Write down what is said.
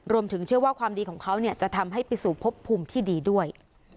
รวมถึงเชื่อว่าความดีของเขาเนี่ยจะทำให้ปริสูจน์พบภูมิที่ดีด้วย